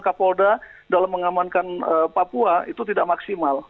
kapolda dalam mengamankan papua itu tidak maksimal